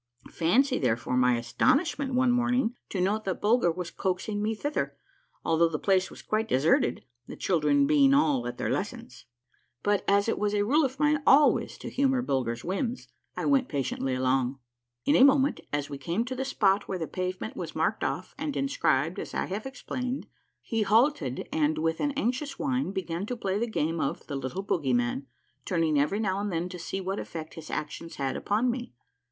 Fancy, there fore, my astonishment one morning to note that Bulger was coaxing me thither, although the place was quite deserted, the children being all at their lessons. But, as it was a rule of mine always to humor Bulger's whims, I went patiently along. In a moment, as we came to the spot where the pavement was marked off and inscribed as I have explained, he halted and with an anxious whine began to play the game of " The Little Bogyman," turning every now and then to see what effect his actions had upon me.